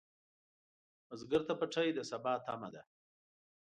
بزګر ته پټی د سبا تمه ده